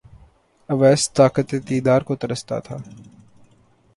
اویس طاقت دیدار کو ترستا تھا